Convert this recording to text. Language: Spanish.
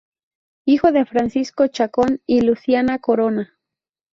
Hijo de Francisco Chacón y Luciana Corona.